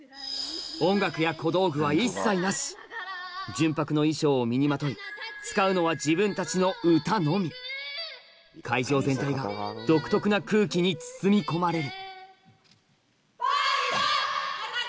純白の衣装を身にまとい使うのは自分たちの会場全体が独特な空気に包み込まれる